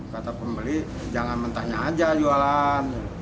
kata pembeli jangan mentahnya aja jualan